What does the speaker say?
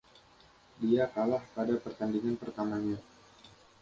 Dia kalah pada pertandingan pertamanya.